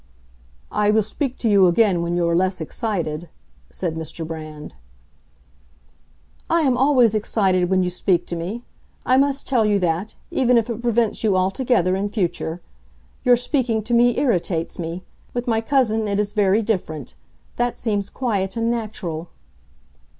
"I will speak to you again, when you are less excited," said Mr. Brand. "I am always excited when you speak to me. I must tell you that—even if it prevents you altogether, in future. Your speaking to me irritates me. With my cousin it is very different. That seems quiet and natural."